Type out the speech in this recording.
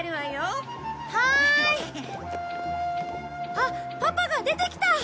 あっパパが出てきた！